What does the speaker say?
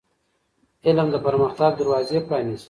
علم د پرمختګ دروازې پرانیزي.